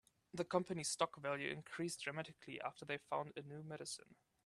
The company's stock value increased dramatically after they found a new medicine.